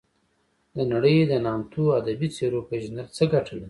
د نړۍ د نامتو ادبي څیرو پېژندل څه ګټه لري.